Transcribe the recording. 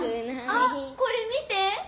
あっこれ見て！